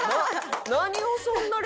何をそんな。